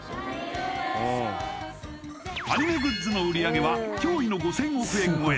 アニメグッズの売り上げは驚異の５０００億円超え